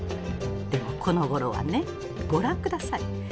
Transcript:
でもこのごろはねご覧下さい。